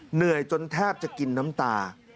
เหนื่อยจนแทบจะกินน้ำตา